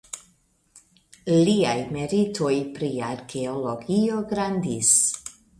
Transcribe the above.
Liaj meritoj pri arkeologio grandis.